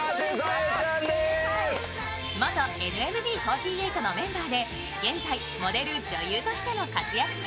元ＮＭＢ４８のメンバーで、現在、モデル・女優としても活躍中。